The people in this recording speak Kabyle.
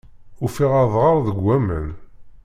Ufiɣ adɣer deg waman.